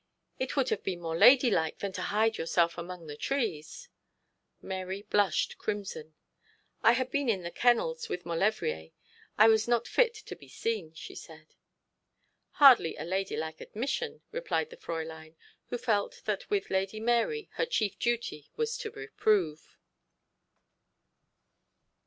It would have been more ladylike than to hide yourself behind the trees.' Mary blushed crimson. 'I had been in the kennels with Maulevrier; I was not fit to be seen,' she said. 'Hardly a ladylike admission,' replied the Fräulein, who felt that with Lady Mary her chief duty was to reprove.